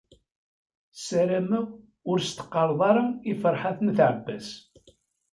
Sarameɣ ur s-teqqareḍ ara i Ferḥat n At Ɛebbas.